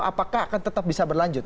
apakah akan tetap bisa berlanjut